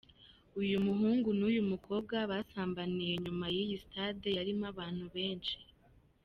uyu muhungu n’umukobwa basambaniye inyuma y’iyi stade yarimo abantu benshi.